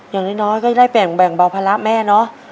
อย่างน้อยก็ได้เปลี่ยนแบบเบาพละแม่เนาะ